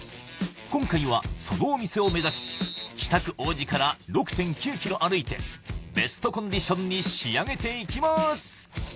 今回はそのお店を目指し北区王子から６．９キロ歩いてベストコンディションに仕上げていきます